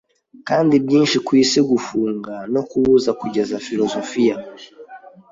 Kandi byinshi kwisi gufunga no kubuza Kugeza Filozofiya